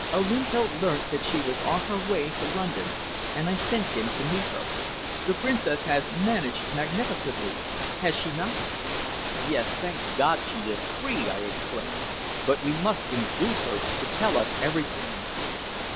"Olinto learnt that she was on her way to London, and I sent him to meet her. The Princess has managed magnificently, has she not?" "Yes. Thank God she is free!" I exclaimed. "But we must induce her to tell us everything."